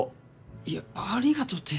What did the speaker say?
いやありがとうって。